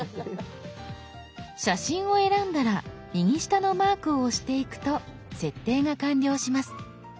写真を選んだら右下のマークを押していくと設定が完了します。